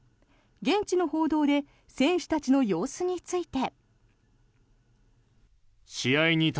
現地の報道で選手たちの様子について。